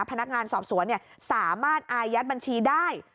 พนักงานสอบสวนสามารถอายัดบัญชีได้